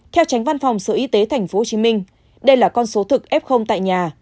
theo tránh văn phòng sở y tế tp hcm đây là con số thực f tại nhà